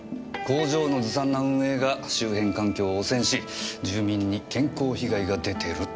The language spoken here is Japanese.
工場のずさんな運営が周辺環境を汚染し住民に健康被害が出てるってね。